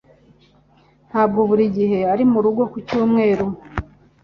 Ntabwo buri gihe ari murugo ku cyumweru.